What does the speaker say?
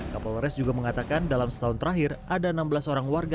kapolres juga mengatakan dalam setahun terakhir ada enam belas orang warga